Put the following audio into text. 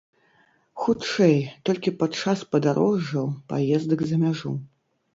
Хутчэй, толькі падчас падарожжаў, паездак за мяжу.